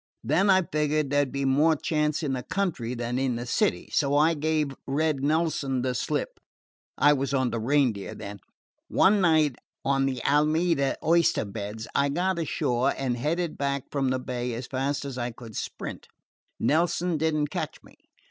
Then I figured there 'd be more chance in the country than in the city; so I gave Red Nelson the slip I was on the Reindeer then. One night on the Alameda oyster beds, I got ashore and headed back from the bay as fast as I could sprint. Nelson did n't catch me.